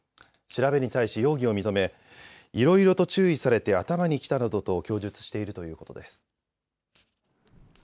調べに対し容疑を認めいろいろと注意されて頭にきたなどと供述しているということです。